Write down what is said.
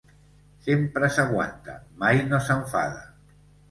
Sempre s'aguanta, mai no s'enfada.